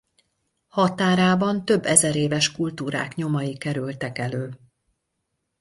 Határában több ezer éves kultúrák nyomai kerültek elő.